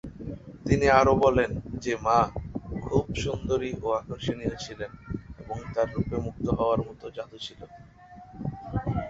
তিনি আরও বলেন যে তার মা "খুবই সুন্দরী ও আকর্ষনীয় ছিলেন এবং তার রূপে মুগ্ধ হওয়ার মত জাদু ছিল"।